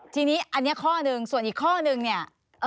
ทีนี้อันนี้ข้อหนึ่งส่วนอีกข้อนึงเนี่ย